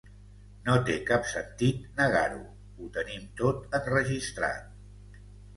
No té cap sentit negar-ho, ho tenim tot enregistrat.